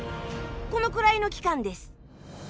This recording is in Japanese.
このくらいの期間です。